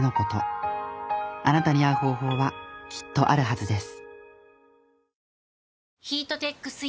あなたに合う方法はきっとあるはずです。